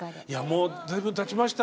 もう随分たちました。